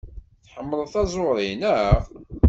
Tḥemmleḍ taẓuri, naɣ?